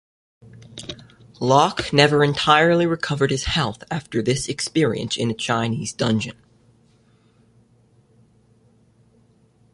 Loch never entirely recovered his health after this experience in a Chinese dungeon.